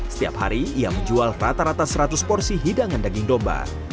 setiap hari ia menjual rata rata seratus porsi hidangan daging domba